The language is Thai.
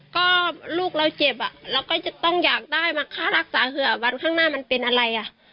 ก็ลูกเราเจ็บเราก็จะต้องอยากได้มาค่ารักษาเผื่อวันข้างหน้ามันเป็นอะไรอ่ะ